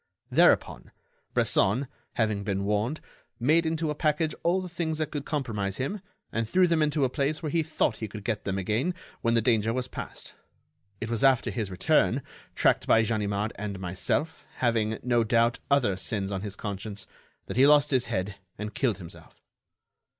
Thereupon, Bresson, having been warned, made into a package all the things that could compromise him and threw them into a place where he thought he could get them again when the danger was past. It was after his return, tracked by Ganimard and myself, having, no doubt, other sins on his conscience, that he lost his head and killed himself."